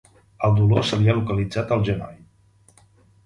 El dolor se li ha localitzat al genoll.